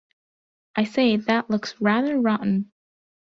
I say, that looks rather rotten!